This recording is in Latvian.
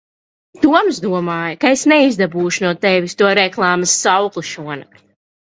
Toms domāja, ka es neizdabūšu no tevis to reklāmas saukli šonakt.